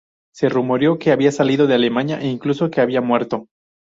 Se rumoreó que había salido de Alemania, e incluso que había muerto.